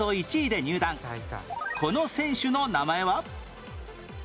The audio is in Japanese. この選手の名前は？